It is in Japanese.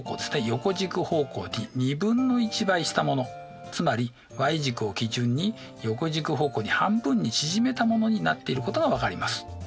横軸方向に２分の１倍したものつまりｙ軸を基準に横軸方向に半分に縮めたものになっていることが分かります。